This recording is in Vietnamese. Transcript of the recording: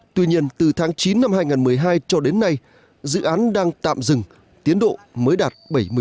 tuy nhiên từ tháng chín năm hai nghìn một mươi hai cho đến nay dự án đang tạm dừng tiến độ mới đạt bảy mươi